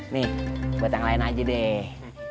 nih buat yang lain aja deh